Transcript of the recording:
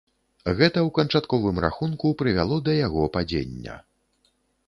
Гэта ў канчатковым рахунку прывяло да яго падзення.